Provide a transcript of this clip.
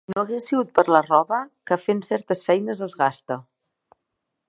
Si no hagués sigut per la roba, que fent certes feines es gasta